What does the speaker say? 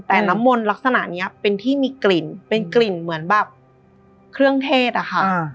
แต่น้ำมนต์ลักษณะนี้เป็นที่มีกลิ่นเป็นกลิ่นเหมือนแบบเครื่องเทศอะค่ะ